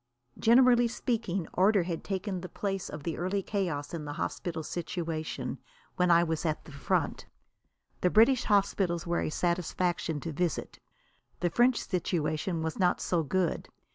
Generally speaking, order had taken the place of the early chaos in the hospital situation when I was at the front. The British hospitals were a satisfaction to visit. The French situation was not so good.